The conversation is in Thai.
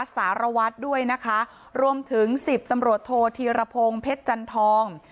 สารวัตรด้วยนะคะรวมถึงสิบตำรวจโทษธีรพงศ์เพชรจันทอง